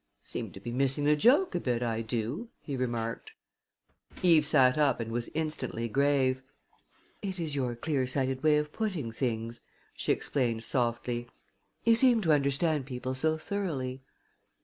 "Seem to be missing the joke a bit I do!" he remarked. Eve sat up and was instantly grave. "It is your clear sighted way of putting things," she explained softly. "You seem to understand people so thoroughly."